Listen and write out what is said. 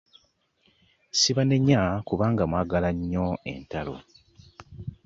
Ssibanenya kubanga mwagala nnyo entalo.